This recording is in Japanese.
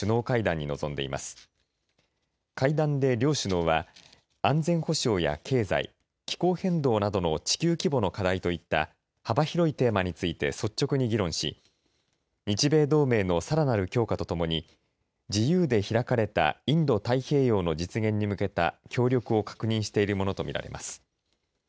会談で両首脳は安全保障や経済気候変動などの地球規模の課題といった幅広いテーマについて率直に議論し日米同盟のさらなる強化とともに自由で開かれたインド太平洋の実現に向けた協力を確認しているものとみられます。